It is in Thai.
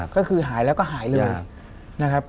ก็คือหายแล้วก็หายเลย